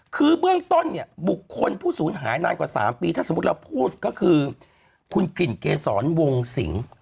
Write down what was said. คือเบื้องต้นเนี่ยบุคคลผู้สูญหายนานกว่า๓ปีถ้าสมมุติเราพูดก็คือคุณกลิ่นเกษรวงสิง